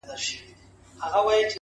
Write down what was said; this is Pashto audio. o دا غرونه ، غرونه دي ولاړ وي داسي،